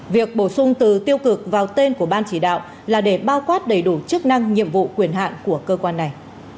việc bổ sung từ tiêu cực vào tên của ban chỉ đạo là để bao quát đầy đủ chức năng nhiệm vụ quyền hạn của cơ quan này